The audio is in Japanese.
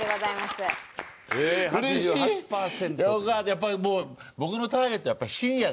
やっぱりもう僕のターゲットシニアですね。